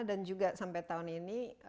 dan juga sampai tahun ini